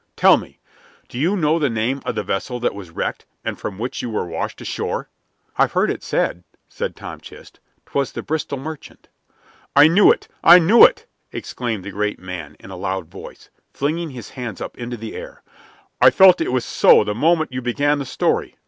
Tell me; do you know the name of the vessel that was wrecked, and from which you were washed ashore?" "I've heard it said," said Tom Chist, "'twas the Bristol Merchant." "I knew it! I knew it!" exclaimed the great man, in a loud voice, flinging his hands up into the air. "I felt it was so the moment you began the story.